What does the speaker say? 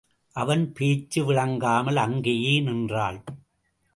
அவன் பேச்சு விளங்காமல் அங்கேயே நின்றாள்.